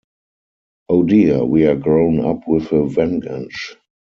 Oh dear, we are growing up with a vengeance.